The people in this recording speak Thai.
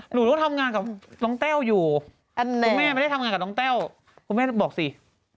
หนูไม่ได้ตอบหนูไม่ได้ซี